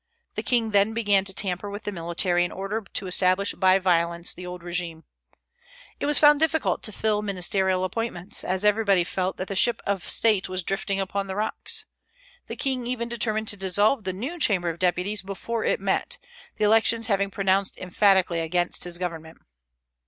The king then began to tamper with the military in order to establish by violence the old régime. It was found difficult to fill ministerial appointments, as everybody felt that the ship of State was drifting upon the rocks. The king even determined to dissolve the new Chamber of Deputies before it met, the elections having pronounced emphatically against his government.